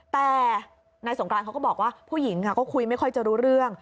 แต่นายสงกรานเขาก็บอกว่าผู้หญิงค่ะก็คุยไม่ค่อยจะรู้เรื่อง